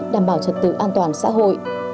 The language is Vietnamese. đảm bảo trật tự an toàn xã hội